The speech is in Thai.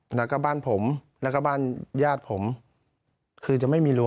หลังบ้านที่เป็นฝั่งตรงข้ามใช่ไหมครับ